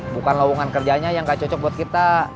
bukan lowongan kerjanya yang gak cocok buat kita